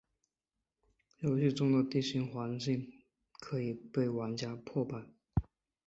游戏中的地形环境可以被玩家破坏。